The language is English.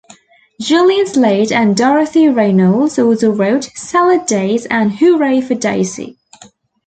Julian Slade and Dorothy Reynolds also wrote "Salad Days" and "Hooray for Daisy".